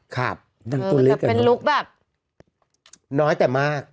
ครับนั่งตัวเล็กกันเนอะเป็นลุคแบบน้อยแต่มาก